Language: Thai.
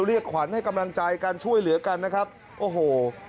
เรียกขวัญให้กำลังใจกันช่วยเหลือกันนะครับโอ้โห